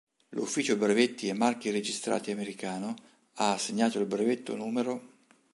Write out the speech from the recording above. L'ufficio brevetti e marchi registrati americano ha assegnato il brevetto Num.